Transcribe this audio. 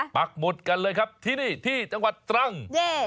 ปักหมุดกันเลยครับที่นี่ที่จังหวัดตรัง